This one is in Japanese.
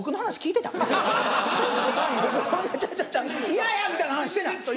嫌やみたいな話してない。